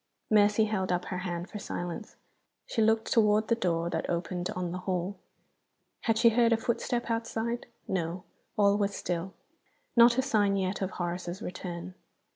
Mercy held up her hand for silence. She looked toward the door that opened on the hall; had she heard a footstep outside? No. All was still. Not a sign yet of Horace's return.